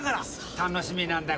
楽しみなんだよ